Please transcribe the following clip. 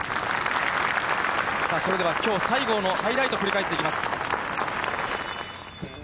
それではきょう、西郷のハイライト、振り返っていきます。